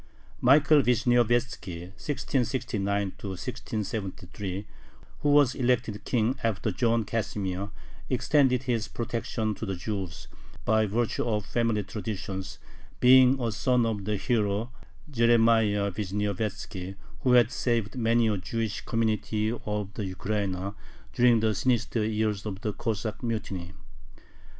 Michael Vishniovetzki (1669 1673), who was elected King after John Casimir, extended his protection to the Jews by virtue of family traditions, being a son of the hero Jeremiah Vishniovetzki, who had saved many a Jewish community of the Ukraina during the sinister years of the Cossack mutiny.